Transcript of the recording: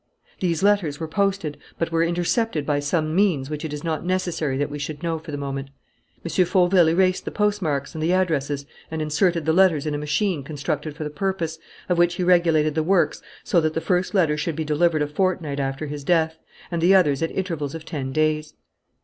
These letters were posted, but were intercepted by some means which it is not necessary that we should know for the moment. M. Fauville erased the postmarks and the addresses and inserted the letters in a machine constructed for the purpose, of which he regulated the works so that the first letter should be delivered a fortnight after his death and the others at intervals of ten days.